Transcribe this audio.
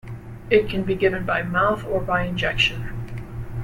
It can be given by mouth or by injection.